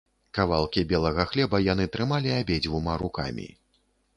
Кавалкі белага хлеба яны трымалі абедзвюма рукамі.